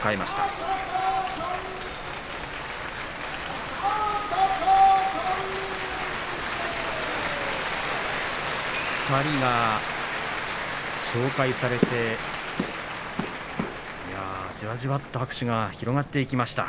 拍手２人が紹介されてじわじわと拍手が広がってきました。